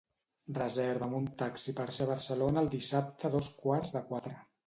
Reserva'm un taxi per ser a Barcelona el dissabte a dos quarts de quatre.